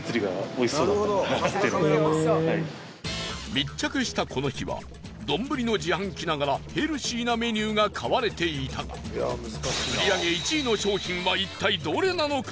密着したこの日は丼の自販機ながらヘルシーなメニューが買われていたが売り上げ１位の商品は一体どれなのか？